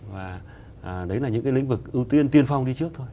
và đấy là những cái lĩnh vực ưu tiên tiên phong đi trước thôi